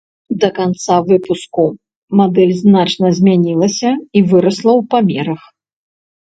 Да канца выпуску мадэль значна змянілася і вырасла ў памерах.